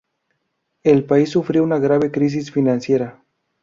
El país sufrió una grave crisis financiera.